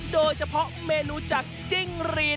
โดยเฉพาะเมนูจากจิ้งรีด